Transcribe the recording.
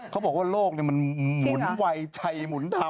เขาบอกว่าโลกมันหมุนวัยชัยหมุนธรรม